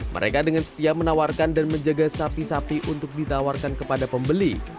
mereka dengan setia menawarkan dan menjaga sapi sapi untuk ditawarkan kepada pembeli